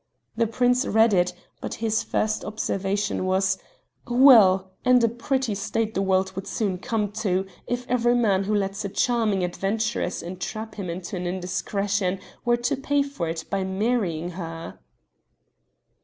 The prince read it, but his first observation was: "Well! and a pretty state the world would soon come to if every man who lets a charming adventuress entrap him into an indiscretion were to pay for it by marrying her!"